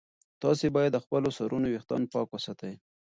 تاسي باید د خپلو سرونو ویښتان پاک وساتئ.